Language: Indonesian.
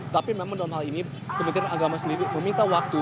tapi memang dalam hal ini kementerian agama sendiri meminta waktu